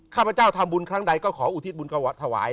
ข้าพเจ้าทำบุญครั้งใดก็ขออุทิศบุญถวาย